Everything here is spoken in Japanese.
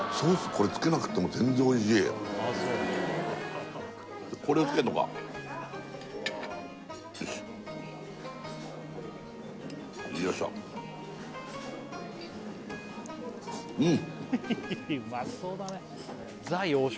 これつけなくっても全然おいしいこれをつけるのかよいしょうん